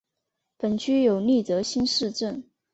本区有立泽新市镇。